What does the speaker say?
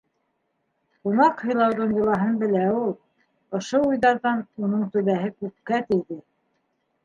Ҡунаҡ һыйлауҙың йолаһын белә ул. Ошо уйҙарҙан уның түбәһе күккә тейҙе.